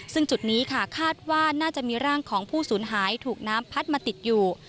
ซึ่งจุดนี้ค่ะคาดว่าน่าจะมีร่างของผู้สูญหายถูกน้ำพัดมาติดอยู่